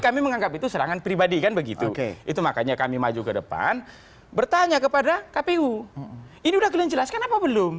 ya keren itu makanya kami maju ke depan bertanya kepada kpu ini udah kalian jelaskan apa belum